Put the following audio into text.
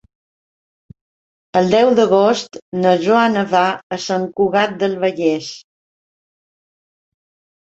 El deu d'agost na Joana va a Sant Cugat del Vallès.